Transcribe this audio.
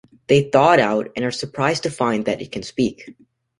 They thaw it out, and are surprised to find that it can speak.